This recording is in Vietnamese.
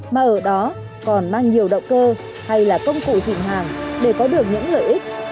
mà ở đó còn mang nhiều động cơ hay là công cụ dịm hàng để có được những lợi ích